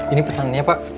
ini pesannya pak